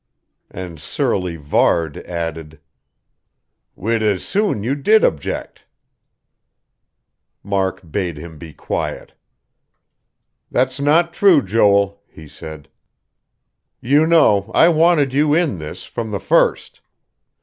And surly Varde added: "We'd as soon you did object." Mark bade him be quiet. "That's not true, Joel," he said. "You know, I wanted you in this, from the first.